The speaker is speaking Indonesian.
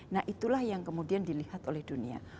nah itulah yang kemudian dilihat oleh dunia